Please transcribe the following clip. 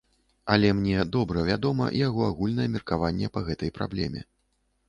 Але мне добра вядома яго агульнае меркаванне па гэтай праблеме.